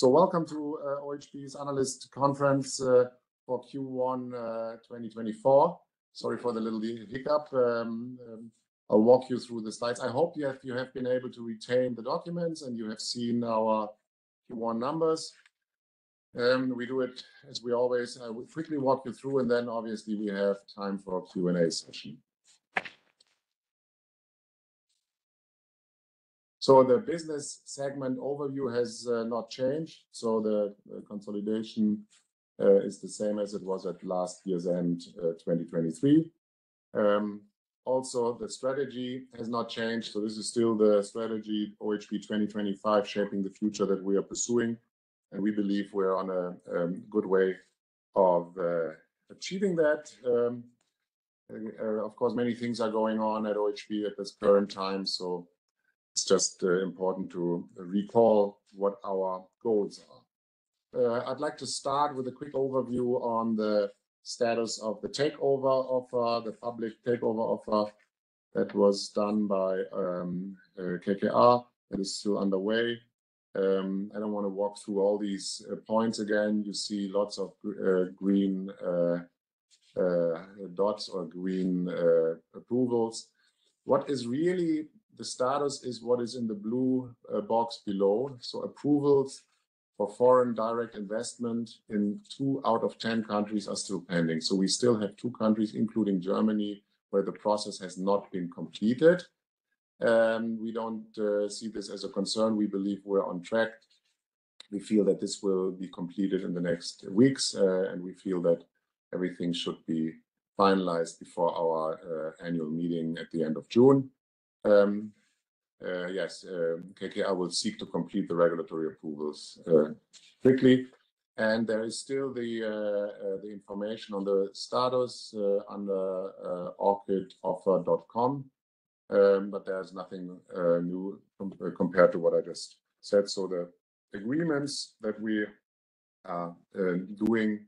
Welcome to OHB's analyst conference for Q1 2024. Sorry for the little hiccup. I'll walk you through the slides. I hope you have been able to retain the documents and you have seen our Q1 numbers. We do it as we always. I will quickly walk you through, and then obviously we have time for a Q&A session. The business segment overview has not changed, so the consolidation is the same as it was at last year's end, 2023. Also the strategy has not changed, so this is still the strategy OHB 2025 shaping the future that we are pursuing, and we believe we're on a good way of achieving that. Of course, many things are going on at OHB at this current time, so it's just important to recall what our goals are. I'd like to start with a quick overview on the status of the takeover offer, the public takeover offer that was done by KKR, and it's still underway. I don't want to walk through all these points again. You see lots of green dots or green approvals. What is really the status is what is in the blue box below, so approvals for foreign direct investment in two out of 10 countries are still pending, so we still have two countries, including Germany, where the process has not been completed. We don't see this as a concern. We believe we're on track. We feel that this will be completed in the next weeks, and we feel that everything should be finalized before our annual meeting at the end of June. Yes, KKR will seek to complete the regulatory approvals quickly, and there is still the information on the status under OrbitalOffer.com, but there's nothing new compared to what I just said. So the agreements that we are doing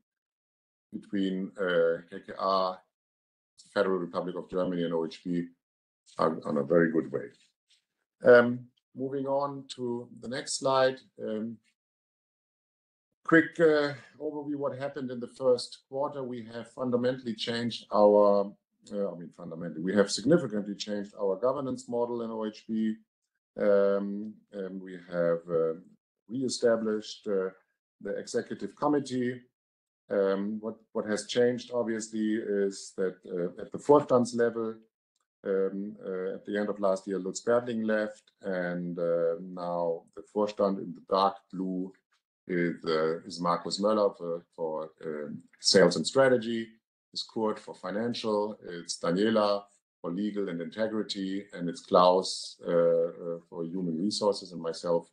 between KKR, Federal Republic of Germany, and OHB are on a very good way. Moving on to the next slide, quick overview what happened in the 1st quarter. We have fundamentally changed our—I mean, fundamentally, we have significantly changed our governance model in OHB. We have reestablished the executive committee. What has changed, obviously, is that at the forefront level, at the end of last year, Lutz Bertling left, and now the forefront in the dark blue is Markus Moeller for sales and strategy, is Kurt for financial, it's Daniela for legal and integrity, and it's Klaus for human resources and myself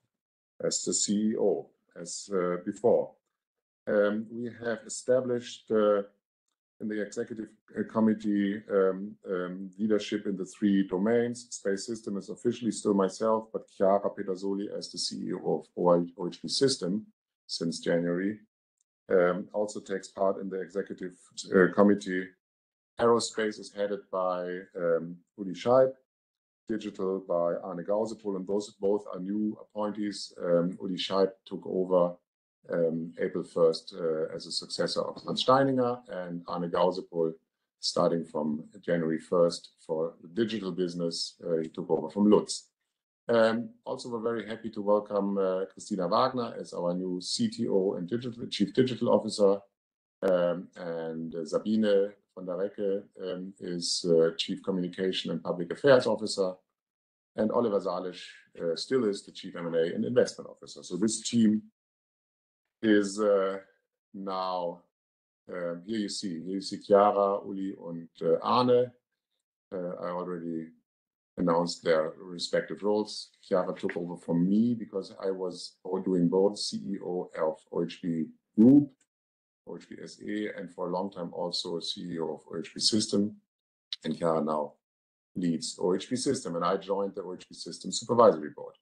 as the CEO, as before. We have established in the Executive Committee leadership in the 3 domains. Space Systems is officially still myself, but Chiara Pedersoli as the CEO of OHB System since January also takes part in the executive committee. Aerospace is headed by Uli Scheib. Digital by Arne Gausepohl, and those both are new appointees. Uli Scheib took over April 1st as a successor of Hans Steininger, and Arne Gausepohl starting from January 1st for the digital business he took over from Lutz. Also we're very happy to welcome Kristina Wagner as our new CTO and Chief Digital Officer. And Sabine von der Recke is Chief Communications and Public Affairs Officer. And Oliver Salisch still is the Chief M&A and Investments Officer, so this team is now here you see, here you see Chiara, Uli, and Arne. I already announced their respective roles. Chiara took over from me because I was doing both CEO of OHB Group, OHB SE, and for a long time also CEO of OHB System. Chiara now leads OHB System, and I joined the OHB System Supervisory Board.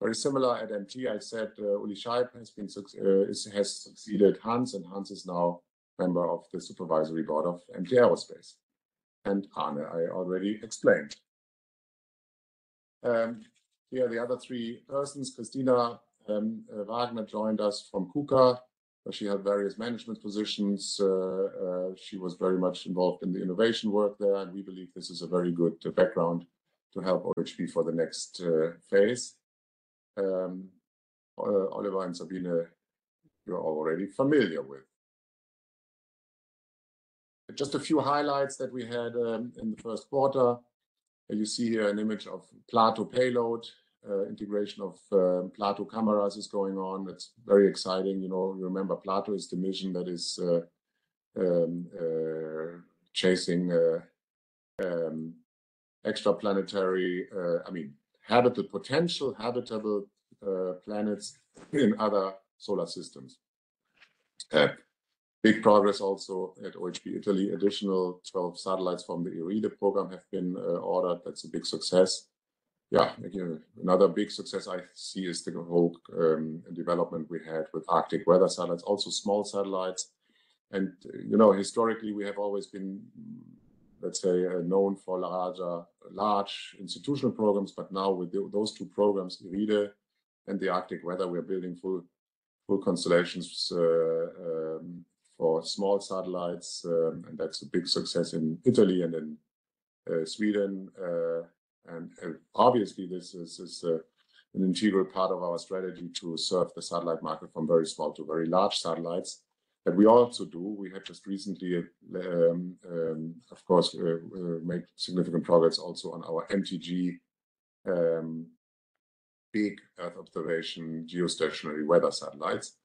Very similar at MT. I said Uli Scheib has succeeded Hans, and Hans is now a member of the supervisory board of MT Aerospace. And Arne, I already explained. Here are the other three persons. Kristina Wagner joined us from KUKA, but she had various management positions. She was very much involved in the innovation work there, and we believe this is a very good background to help OHB for the next phase. Oliver and Sabine, you're already familiar with. Just a few highlights that we had in the first quarter. You see here an image of PLATO payload. Integration of PLATO cameras is going on. It's very exciting, you know, you remember PLATO is the mission that is chasing exoplanetary, I mean, potentially habitable planets in other solar systems. Big progress also at OHB Italy, additional 12 satellites from the IRIDE program have been ordered. That's a big success. Yeah, again, another big success I see is the whole development we had with Arctic Weather Satellites, also small satellites. And, you know, historically we have always been, let's say, known for larger, large institutional programs, but now with those two programs, IRIDE and the Arctic weather, we're building full, full constellations for small satellites, and that's a big success in Italy and in Sweden, and obviously this is an integral part of our strategy to serve the satellite market from very small to very large satellites. That we also do, we had just recently, of course, make significant progress also on our MTG big Earth observation geostationary weather satellites.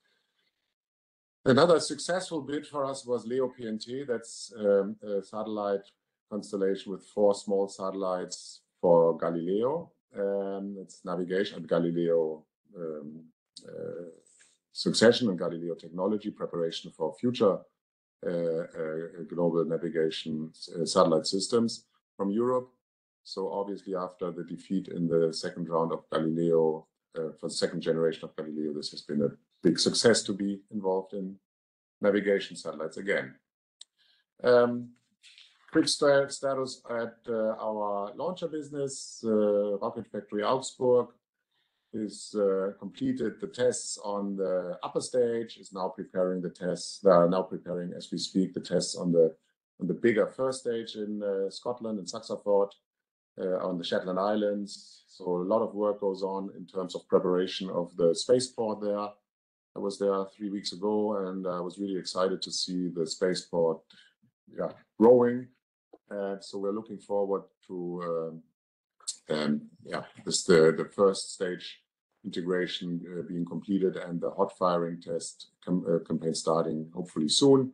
Another successful bit for us was LEO PNT. That's a satellite constellation with four small satellites for Galileo, it's navigation at Galileo, Succession and Galileo technology preparation for future global navigation satellite systems from Europe. So obviously after the defeat in the 2nd round of Galileo, for the 2nd generation of Galileo, this has been a big success to be involved in navigation satellites again. Quick status on our launcher business, Rocket Factory Augsburg. Has completed the tests on the upper stage, is now preparing the tests. They are now preparing, as we speak, the tests on the on the bigger 1st stage in Scotland and SaxaVord on the Shetland Islands, so a lot of work goes on in terms of preparation of the spaceport there. I was there three weeks ago, and I was really excited to see the spaceport, yeah, growing. And so we're looking forward to, yeah, this is the 1st stage integration being completed and the hot firing test campaign starting hopefully soon.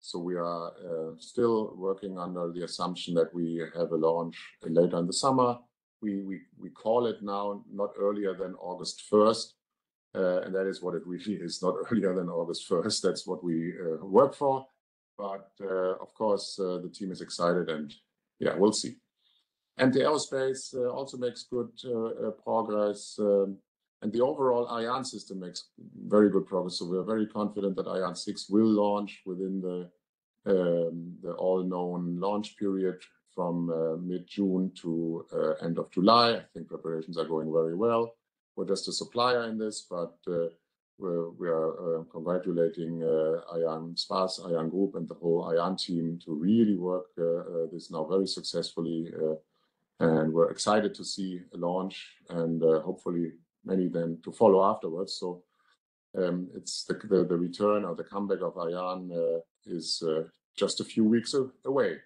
So we are still working under the assumption that we have a launch later in the summer. We call it now not earlier than August 1st, and that is what it really is, not earlier than August 1st. That's what we work for. But, of course, the team is excited and yeah, we'll see. And the Aerospace also makes good progress, and the overall Ariane system makes very good progress, so we're very confident that Ariane 6 will launch within the well-known launch period from mid-June to end of July. I think preparations are going very well. We're just a supplier in this, but we are congratulating Arianespace, ArianeGroup and the whole Ariane team to really work this now very successfully. We're excited to see a launch and hopefully many then to follow afterwards. So, it's the return or the comeback of Ariane is just a few weeks away.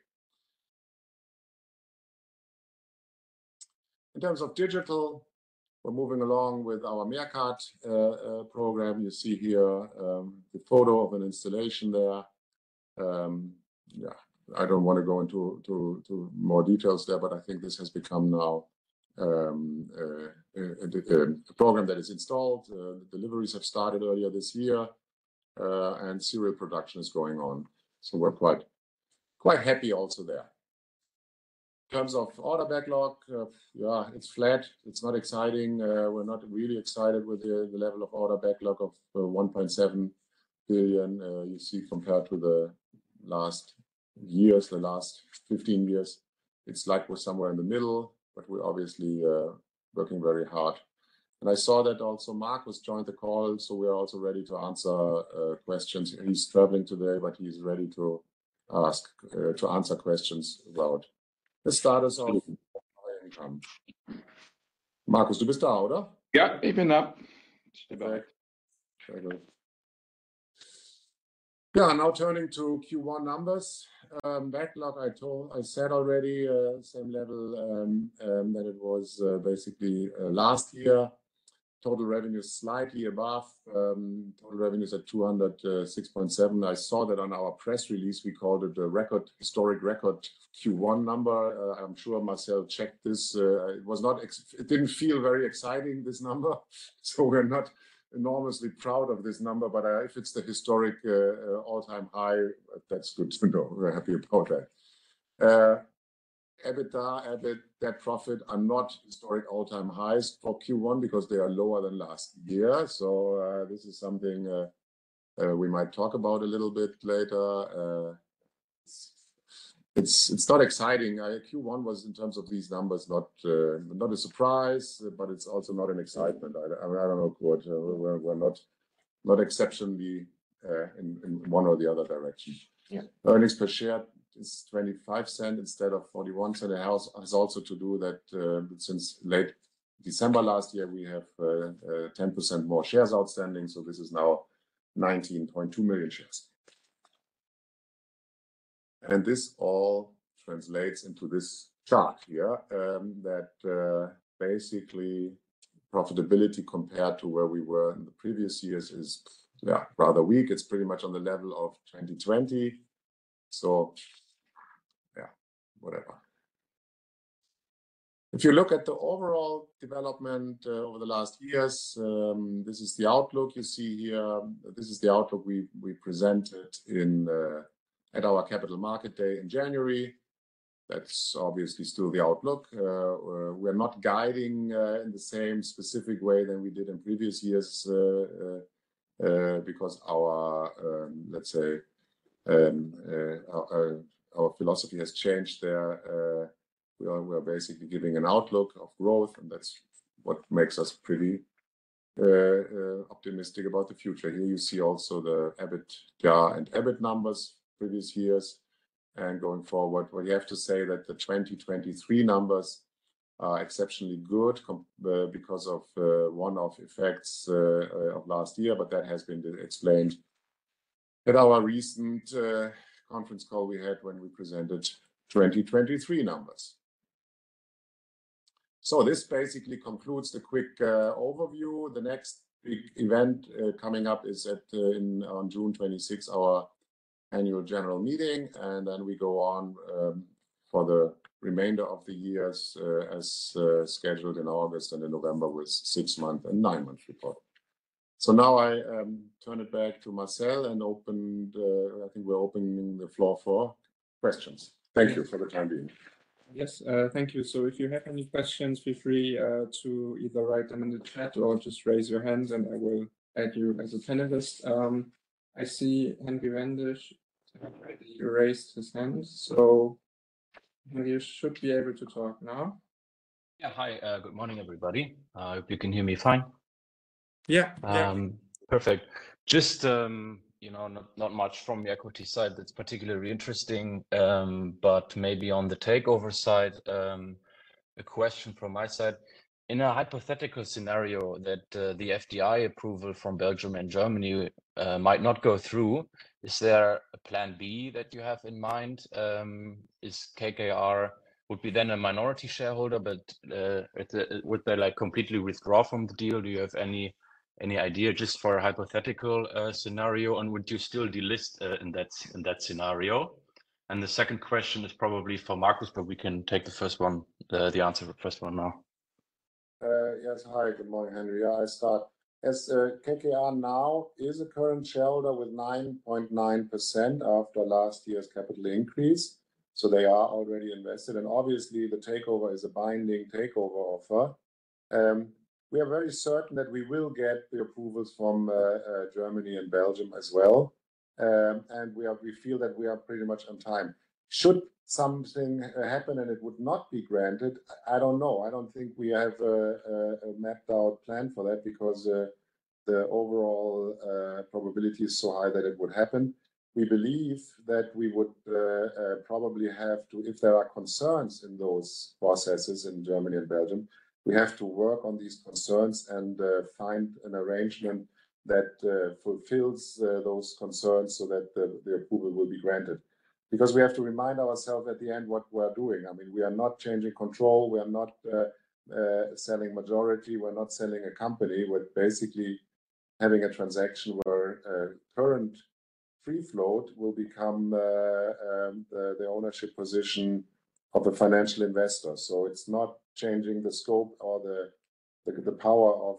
In terms of Digital, we're moving along with our MeerKAT program. You see here the photo of an installation there. Yeah, I don't want to go into more details there, but I think this has become now a program that is installed. Deliveries have started earlier this year. Serial production is going on, so we're quite happy also there. In terms of order backlog, yeah, it's flat. It's not exciting. We're not really excited with the level of order backlog of 1.7 billion. You see, compared to the last years, the last 15 years, it's like we're somewhere in the middle, but we're obviously working very hard. And I saw that also Markus joined the call, so we are also ready to answer questions. He's traveling today, but he's ready to ask, to answer questions about the status of income. Markus, do you start out or? Yeah, even up. Yeah, now turning to Q1 numbers, backlog, I said already, same level as it was, basically, last year. Total revenue slightly above, total revenues at 206.7 million. I saw that on our press release. We called it the record, historic record Q1 number. I'm sure Marcel checked this. It was not, it didn't feel very exciting, this number, so we're not enormously proud of this number, but if it's the historic, all-time high, that's good to know. We're happy about that. EBITDA, that profit, are not historic all-time highs for Q1 because they are lower than last year, so this is something we might talk about a little bit later. It's not exciting. In Q1, in terms of these numbers, not a surprise, but it's also not an excitement. I don't know what we're not exceptionally in one or the other direction. Yeah, earnings per share is 0.25 instead of 0.41. It has also to do with that, since late December last year, we have 10% more shares outstanding, so this is now 19.2 million shares. And this all translates into this chart here, that basically profitability compared to where we were in the previous years is, yeah, rather weak. It's pretty much on the level of 2020. So. Yeah, whatever. If you look at the overall development over the last years, this is the outlook you see here. This is the outlook we presented at our capital market day in January. That's obviously still the outlook. We're not guiding in the same specific way than we did in previous years because our, let's say, our philosophy has changed there. We are, we are basically giving an outlook of growth, and that's what makes us pretty optimistic about the future. Here you see also the EBITDA and EBIT numbers previous years. And going forward, we have to say that the 2023 numbers are exceptionally good, because of one of effects of last year, but that has been explained at our recent conference call we had when we presented 2023 numbers. So this basically concludes the quick overview. The next big event coming up is at, in on June 26th, our annual general meeting, and then we go on for the remainder of the years as scheduled in August and in November with six-month and nine-month report. So now I turn it back to Marcel and open, I think we're opening the floor for questions. Thank you for the time being. Yes, thank you. So if you have any questions, feel free to either write them in the chat or just raise your hands and I will add you as a panelist. I see Henry Rendish raised his hand, so Henry, you should be able to talk now. Yeah, hi, good morning, everybody. I hope you can hear me fine. Yeah, yeah. Perfect. Just, you know, not much from the equity side. That's particularly interesting, but maybe on the takeover side, a question from my side. In a hypothetical scenario that the FDI approval from Belgium and Germany might not go through, is there a plan B that you have in mind? Is KKR would be then a minority shareholder, but would they like completely withdraw from the deal? Do you have any idea just for a hypothetical scenario and would you still delist in that scenario? And the second question is probably for Markus, but we can take the first one, the answer for the first one now. Yes, hi, good morning, Henry. Yeah, I start as KKR now is a current shareholder with 9.9% after last year's capital increase. So they are already invested, and obviously the takeover is a binding takeover offer. We are very certain that we will get the approvals from Germany and Belgium as well. We feel that we are pretty much on time. Should something happen and it would not be granted, I don't know. I don't think we have a mapped out plan for that because the overall probability is so high that it would happen. We believe that we would probably have to, if there are concerns in those processes in Germany and Belgium, we have to work on these concerns and find an arrangement that fulfills those concerns so that the approval will be granted. Because we have to remind ourselves at the end what we're doing. I mean, we are not changing control. We are not selling majority. We're not selling a company, but basically having a transaction where current free float will become the ownership position of a financial investor. So it's not changing the scope or the power of,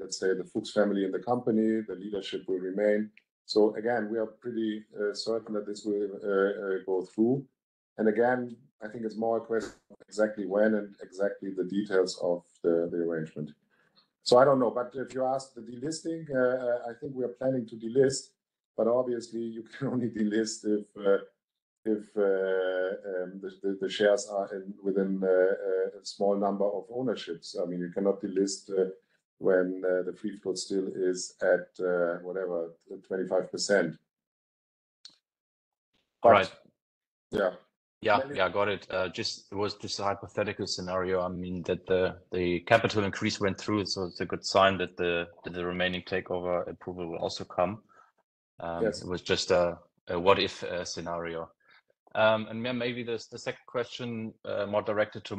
let's say, the Fuchs family in the company, the leadership will remain. So again, we are pretty certain that this will go through. And again, I think it's more a question of exactly when and exactly the details of the arrangement. So I don't know, but if you ask the delisting, I think we are planning to delist. But obviously you can only delist if the shares are within a small number of ownerships. I mean, you cannot delist when the free float still is at whatever 25%. All right. Yeah. Yeah, yeah, got it. Just it was this hypothetical scenario. I mean that the capital increase went through, so it's a good sign that the remaining takeover approval will also come. It was just a what if scenario. And maybe there's the 2nd question, more directed to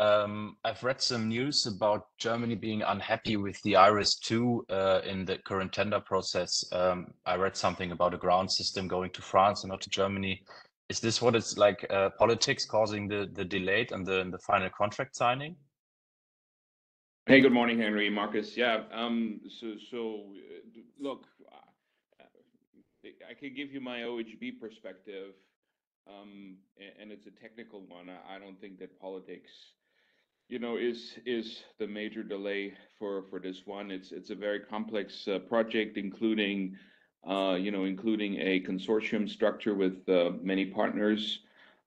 Markus. I've read some news about Germany being unhappy with the IRIS2 in the current tender process. I read something about a ground system going to France and not to Germany. Is this what it's like, politics causing the delay and the final contract signing? Hey, good morning, Henry, Markus. Yeah, so look. I can give you my OHB perspective, and it's a technical one. I don't think that politics, you know, is the major delay for this one. It's a very complex project, including, you know, a consortium structure with many partners,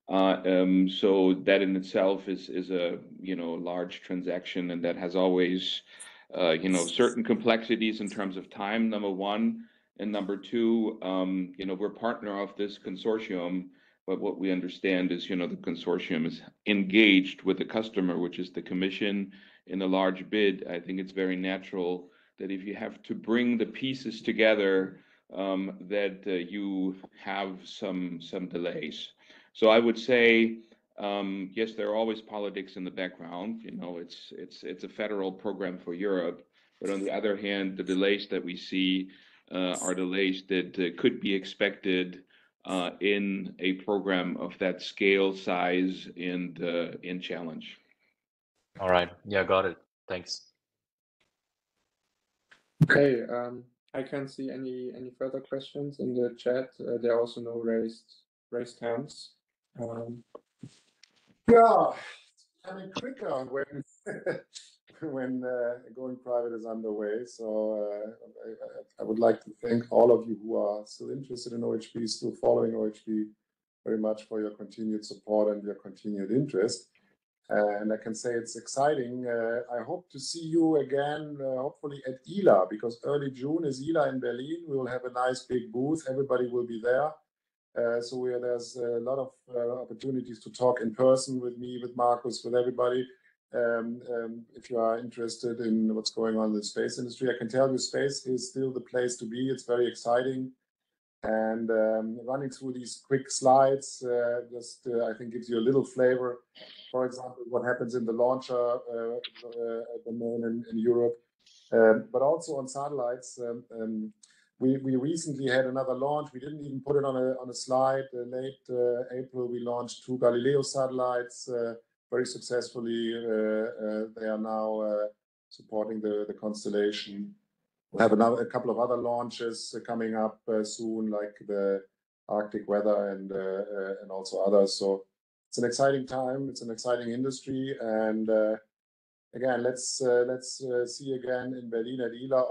so that in itself is a, you know, large transaction and that has always, you know, certain complexities in terms of time, number one. And number two, you know, we're a partner of this consortium, but what we understand is, you know, the consortium is engaged with the customer, which is the Commission, in a large bid. I think it's very natural that if you have to bring the pieces together, that you have some delays. So I would say, yes, there are always politics in the background. You know, it's a federal program for Europe, but on the other hand, the delays that we see are delays that could be expected in a program of that scale, size, and challenge. All right. Yeah, got it. Thanks. Okay, I can't see any further questions in the chat. There are also no raised hands. Yeah, I mean, when going private is underway, so I would like to thank all of you who are still interested in OHB, still following OHB. Very much for your continued support and your continued interest. And I can say it's exciting. I hope to see you again, hopefully at ILA because early June is ILA in Berlin. We will have a nice big booth. Everybody will be there. So there are a lot of opportunities to talk in person with me, with Markus, with everybody. If you are interested in what's going on in the space industry, I can tell you space is still the place to be. It's very exciting. And running through these quick slides just, I think, gives you a little flavor. For example, what happens in the launcher in Europe, but also on satellites. We recently had another launch. We didn't even put it on a slide. In late April we launched two Galileo satellites, very successfully. They are now supporting the constellation. We'll have another couple of other launches coming up soon, like the Arctic Weather and also others. So it's an exciting time. It's an exciting industry. And again, let's see you again in Berlin at ILA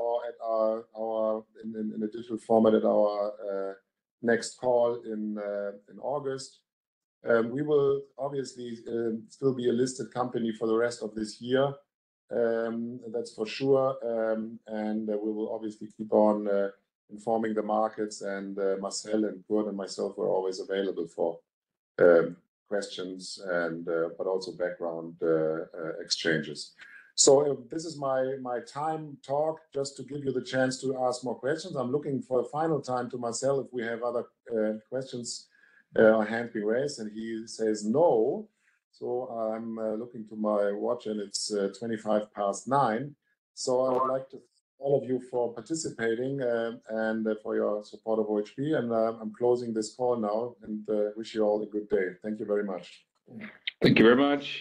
or in a digital format at our next call in August. We will obviously still be a listed company for the rest of this year. That's for sure. And we will obviously keep on informing the markets, and Marcel and Kurt and myself were always available for questions and but also background exchanges. So this is my time to talk just to give you the chance to ask more questions. I'm looking for a final time to Marcel if we have other questions. Our hands being raised and he says no. So I'm looking to my watch and it's 9:25 A.M. So I would like to all of you for participating, and for your support of OHB, and I'm closing this call now and wish you all a good day. Thank you very much. Thank you very much.